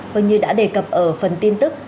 hơn như đã đề cập ở phần tin tức